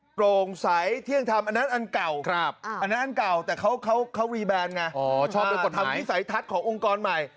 โปรงสายเที่ยงธรรมอันนั้นอันเก่าแต่เขารีแบนนะทำวิสัยทัศน์ขององค์กรใหม่